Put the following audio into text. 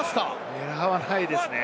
狙わないですよね。